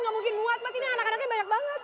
ga mungkin muat mas ini anak anaknya banyak banget